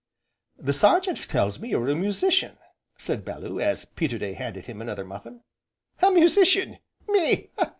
"The Sergeant tells me you are a musician," said Bellew, as Peterday handed him another muffin. "A musician, me!